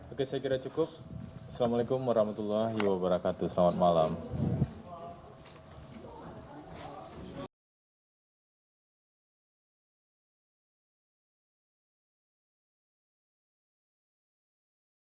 oke saya kira cukup assalamualaikum warahmatullahi wabarakatuh selamat malam